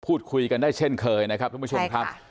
พูดคุยกันได้เช่นเคยนะครับทุกผู้ชมครับ